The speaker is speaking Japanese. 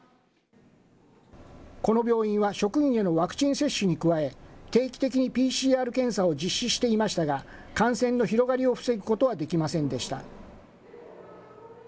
この病院は職員へのワクチン接種に加え、定期的にＰＣＲ検査を実施していましたが、感染の広がりを防ぐことはできませんでした。